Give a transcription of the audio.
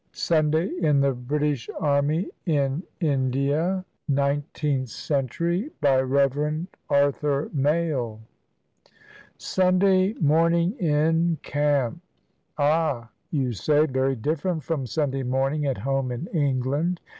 SUNDAY IN THE BRITISH ARMY IN INDIA [Nineteenth century] BY REV. ARTHUR MALE Sunday morning in camp ! Ah, you say, very different from Sunday morning at home in England.